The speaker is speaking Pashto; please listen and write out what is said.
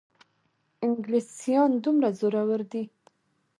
انګلیسیان دومره زورور دي.